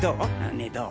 ねぇどう？